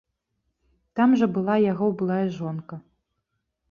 Там жа была яго былая жонка.